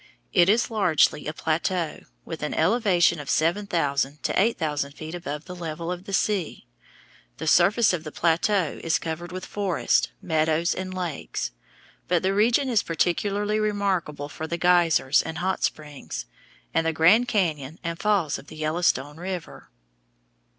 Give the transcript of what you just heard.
It is largely a plateau, with an elevation of seven thousand to eight thousand feet above the level of the sea. The surface of the plateau is covered with forests, meadows, and lakes; but the region is particularly remarkable for the geysers and hot springs, and the Grand Cañon and falls of the Yellowstone River.